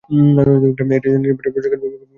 এটিতে তিনি নির্বাহী প্রযোজকের ভূমিকাও পালন করেন।